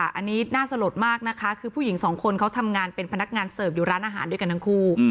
อันนี้น่าสลดมากนะคะคือผู้หญิงสองคนเขาทำงานเป็นพนักงานเสิร์ฟอยู่ร้านอาหารด้วยกันทั้งคู่